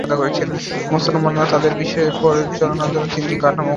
মুসলমানরা তাদের বিষয় পরিচালনার জন্য তিনটি কাঠামো গঠন করেছে।